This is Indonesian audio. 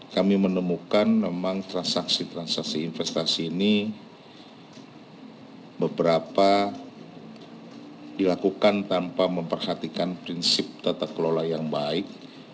kami menemukan memang transaksi transaksi investasi ini beberapa dilakukan tanpa memperhatikan prinsip tata kelola yang baik